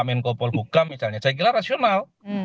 menko polhukam misalnya saya kira rasional